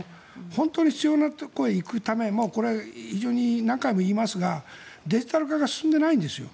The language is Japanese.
本当に必要なところに行くためこれ、非常に何回も言いますがデジタル化が進んでいないんですよ。